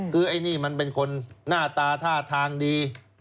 คือไอ้นี่มันเป็นคนหน้าตาท่าทางดี